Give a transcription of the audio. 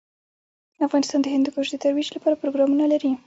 افغانستان د هندوکش د ترویج لپاره پروګرامونه لري.